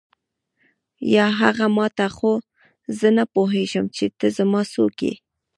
یا هغه ما ته خو زه نه پوهېږم چې ته زما څوک یې.